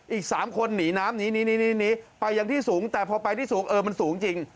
อีก๓คนหนีน้ำนี้ไปอย่างที่สูงแต่พอไปที่สูงเออมันสูงจริง